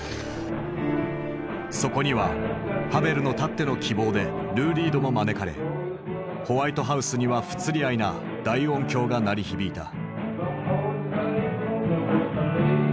そこにはハヴェルのたっての希望でルー・リードも招かれホワイトハウスには不釣り合いな大音響が鳴り響いた。